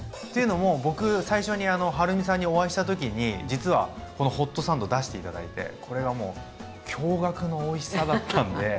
というのも僕最初にはるみさんにお会いした時に実はこのホットサンド出して頂いてこれがもう驚がくのおいしさだったんで。